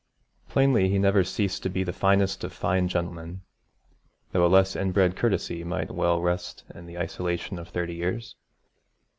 Plainly he never ceased to be the finest of fine gentlemen, though a less inbred courtesy might well rust in the isolation of thirty years.